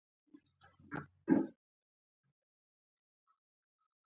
غواړم په هر غم کي ستا په څنګ کي ووسم